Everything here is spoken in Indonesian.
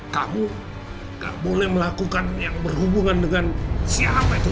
kamu gak boleh melakukan yang berhubungan dengan siapa itu